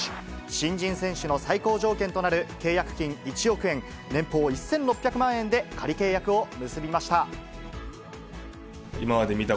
新人選手の最高条件となる契約金１億円、年俸１６００万円で仮契約を結びました。